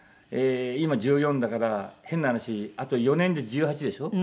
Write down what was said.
今１４だから変な話あと４年で１８でしょ？